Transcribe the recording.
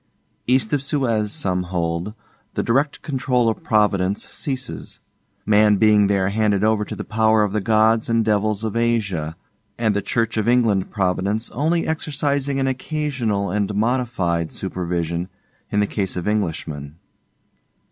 EAST of Suez, some hold, the direct control of Providence ceases; Man being there handed over to the power of the Gods and Devils of Asia, and the Church of England Providence only exercising an occasional and modified supervision in the case of Englishmen.